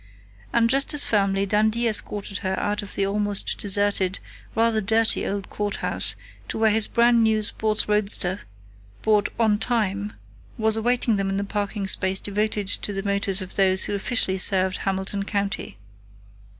And just as firmly Dundee escorted her out of the almost deserted, rather dirty old courthouse to where his brand new sports roadster bought "on time" was awaiting them in the parking space devoted to the motors of those who officially served Hamilton County.